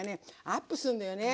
アップすんのよね。